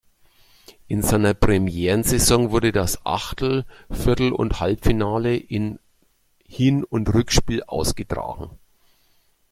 In seiner Premierensaison wurde das Achtel-, Viertel- und Halbfinale in Hin- und Rückspiel ausgetragen.